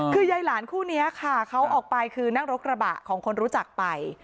คือใยหลานคู่นี้ค่ะของนั่งรกระบะของคนรู้จักไป